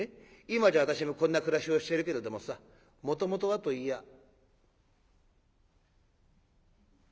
今じゃ私もこんな暮らしをしているけれどもさもともとはといいやあ」。